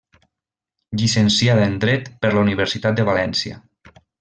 Llicenciada en dret per la Universitat de València.